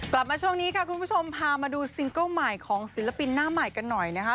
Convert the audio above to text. กลับมาช่วงนี้ค่ะคุณผู้ชมพามาดูซิงเกิ้ลใหม่ของศิลปินหน้าใหม่กันหน่อยนะคะ